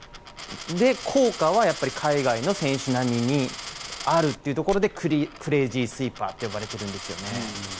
効果はやっぱり海外の選手並みにあるというところでクレージースイーパーズって呼ばれているんですよね。